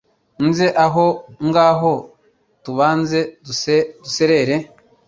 nze aho nngaho tubanze duserere